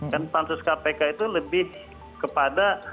kan pansus kpk itu lebih kepada